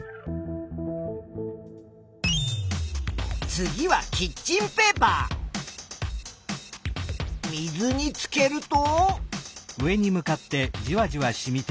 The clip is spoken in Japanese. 次は水につけると。